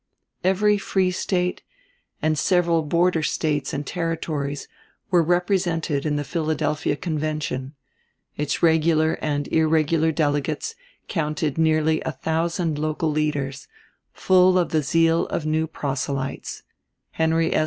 Every free State and several border States and Territories were represented in the Philadelphia Convention; its regular and irregular delegates counted nearly a thousand local leaders, full of the zeal of new proselytes; Henry S.